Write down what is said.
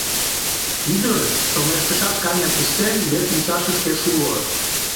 Ӱдыр, чоҥештышаш гане куштен, вес мучашышке шуо.